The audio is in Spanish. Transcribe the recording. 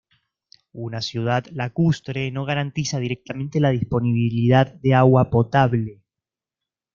Una ciudad lacustre no garantiza directamente la disponibilidad de agua potable.